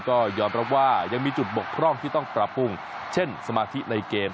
ก็ยอมรับว่ายังมีจุดบกพร่องที่ต้องปรับปรุงเช่นสมาธิในเกม